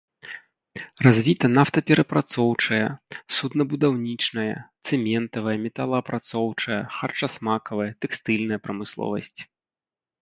Развіта нафтаперапрацоўчая, суднабудаўнічая, цэментавая, металаапрацоўчая, харчасмакавая, тэкстыльная прамысловасць.